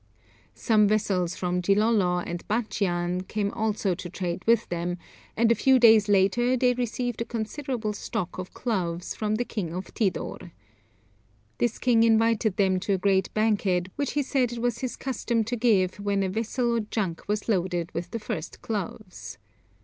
Some vessels from Gilolo and Batchian came also to trade with them, and a few days later they received a considerable stock of cloves from the king of Tidor. This king invited them to a great banquet which he said it was his custom to give when a vessel or junk was loaded with the first cloves.